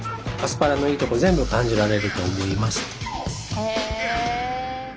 へえ。